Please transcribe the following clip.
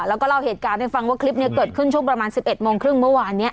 แล้วก็เล่าเหตุการณ์ให้ฟังว่าคลิปนี้เกิดขึ้นช่วงประมาณ๑๑โมงครึ่งเมื่อวานนี้